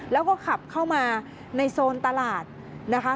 แล้วก็ขับเข้ามาในโซนตลาดนะคะ